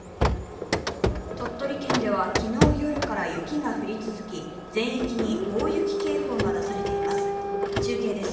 鳥取県では昨日夜から雪が降り続き全域に大雪警報が出されています。